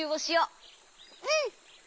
うん！